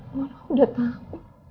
mama udah tahu